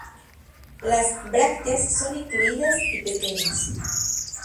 Las brácteas son incluidas y pequeñas.